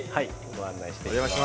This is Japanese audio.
ご案内していきます。